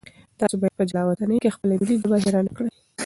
تاسو باید په جلاوطنۍ کې خپله ملي ژبه هېره نه کړئ.